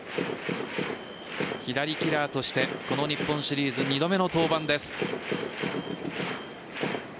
左キラーとしてこの日本シリーズ２度目の登板です。